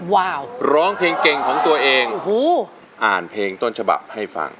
ว้าวร้องเพลงเก่งของตัวเองโอ้โหอ่านเพลงต้นฉบับให้ฟัง